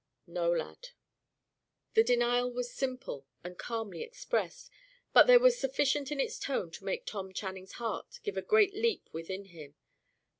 "No, lad." The denial was simple, and calmly expressed; but there was sufficient in its tone to make Tom Channing's heart give a great leap within him.